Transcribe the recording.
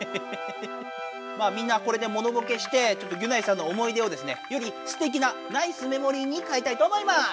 まあみんなこれでモノボケしてちょっとギュナイさんの思い出をですねよりすてきなナイスメモリーにかえたいと思います。